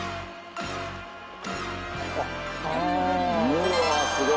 うわーすごい！